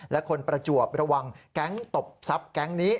และคนประจวบระวังแก๊งตบทรัพย์แก๊งนี้